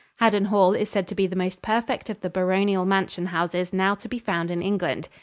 Haddon Hall is said to be the most perfect of the baronial mansion houses now to be found in England.